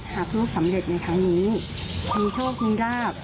ลูกสำเร็จในครั้งนี้มีโชคมีราบ